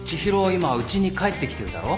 今うちに帰ってきてるだろ？